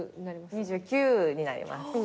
２９になります。